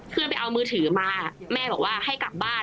ไปเอามือถือมาแม่บอกว่าให้กลับบ้าน